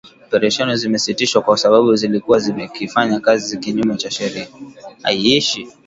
Operesheni zimesitishwa kwa sababu zilikuwa zikifanya kazi kinyume cha sheria